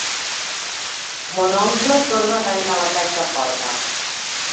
Mon oncle torna a tancar la caixa forta.